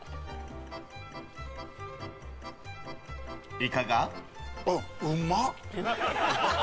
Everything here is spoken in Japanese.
いかが？